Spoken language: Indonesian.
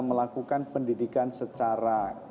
melakukan pendidikan secara